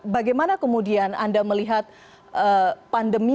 bagaimana kemudian anda melihat pandemi